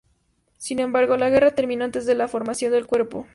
Sin embargo, la guerra terminó antes de la formación del Cuerpo.